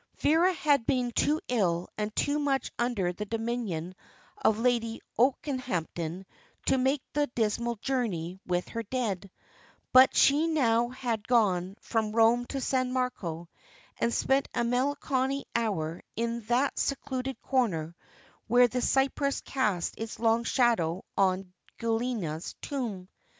Vera had been too ill and too much under the dominion of Lady Okehampton to make the dismal journey with her dead; but she had gone from Rome to San Marco, and had spent a melancholy hour in the secluded corner where the cypress cast its long shadow on Guilia's tomb.